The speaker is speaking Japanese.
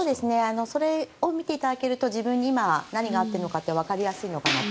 それを見ていただけると自分に何が合っているかわかりやすいかなと。